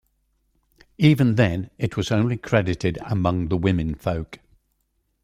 Even then it was only credited among the women folk.